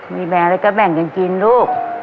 มีแบ่งอะไรก็แบ่งกันกินลูก